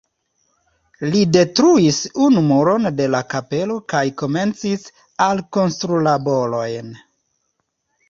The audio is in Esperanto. Li detruis unu muron de la kapelo kaj komencis alkonstrulaborojn.